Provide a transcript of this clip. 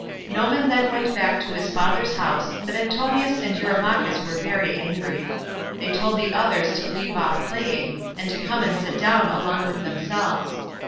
Noemon then went back to his father's house, but Antinous and Eurymachus were very angry. They told the others to leave off playing, and to come and sit down along with themselves.